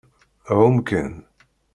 Ɛum kan.